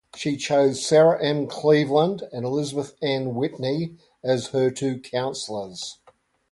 She chose Sarah M. Cleveland and Elizabeth Ann Whitney as her two counselors.